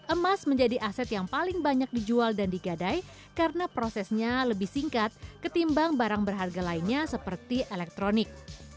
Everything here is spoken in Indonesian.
emas menjadi aset yang paling banyak dijual dan digadai karena prosesnya lebih singkat ketimbang barang berharga lainnya seperti elektronik